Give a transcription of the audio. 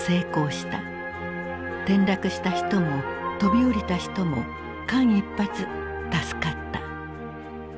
転落した人も飛び降りた人も間一髪助かった。